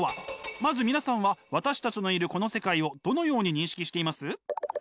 まず皆さんは私たちのいるこの世界をどのように認識しています？